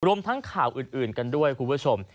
ทั้งข่าวอื่นกันด้วยคุณผู้ชม